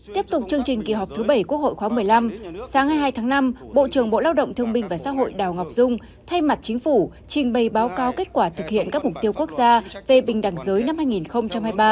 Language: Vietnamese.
tiếp tục chương trình kỳ họp thứ bảy quốc hội khóa một mươi năm sáng hai mươi hai tháng năm bộ trưởng bộ lao động thương minh và xã hội đào ngọc dung thay mặt chính phủ trình bày báo cáo kết quả thực hiện các mục tiêu quốc gia về bình đẳng giới năm hai nghìn hai mươi ba